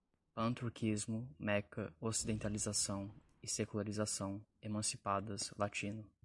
Pan-turquismo, Meca, ocidentalização e secularização, emancipadas, latino